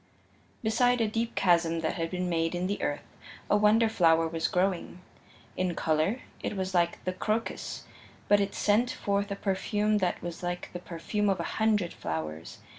Beside a deep chasm that had been made in the earth a wonder flower was growing in color it was like the crocus, but it sent forth a perfume that was like the perfume of a hundred flowers.